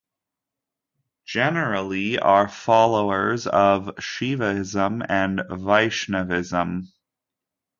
Generally are followers of Shaivism and Vaishnavism.